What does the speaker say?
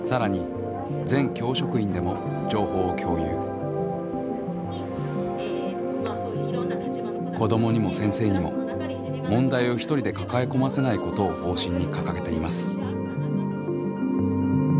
更に子どもにも先生にも問題を一人で抱え込ませないことを方針に掲げています。